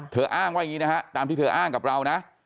อ้างว่าอย่างนี้นะฮะตามที่เธออ้างกับเรานะ